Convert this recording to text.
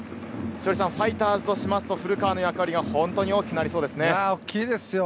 稀哲さん、ファイターズしますと古川の役割が本当に大きくなりそうですね。